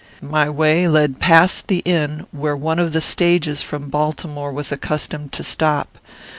"My way led past the inn where one of the stages from Baltimore was accustomed to stop.